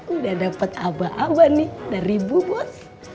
udah dapet abah abah nih dari ibu bos